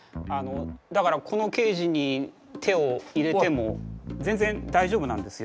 だからこのケージに手を入れても全然大丈夫なんですよ。